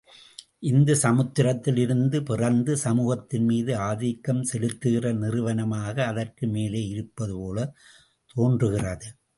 இது சமூகத்தில் இருந்து பிறந்து, சமூகத்தின் மீது ஆதிக்கம் செலுத்துகிற நிறுவனமாக அதற்கு மேலே இருப்பது போலத் தோன்றுகிறது.